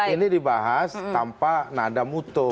ini dibahas tanpa nada mutu